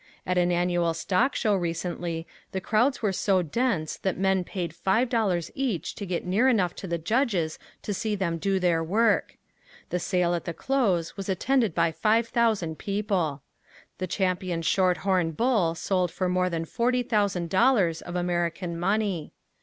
At an annual stock show recently the crowds were so dense that men paid five dollars each to get near enough to the judges to see them do their work. The sale at the close was attended by five thousand people. The champion shorthorn bull sold for more than forty thousand dollars of American money.